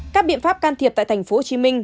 các biện pháp can thiệp tại tp hcm